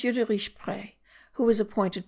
de Richeprey, who was appointed by M.